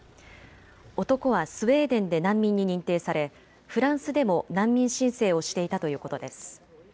男はスウェーデンで難民に認定されフランスでも難民申請をしていたということです。